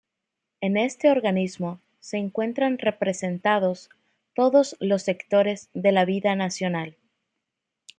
En este organismo se encuentran representados todos los sectores de la vida nacional.